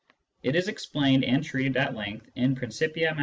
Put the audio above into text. It is explained and treated at length in Principia Ma.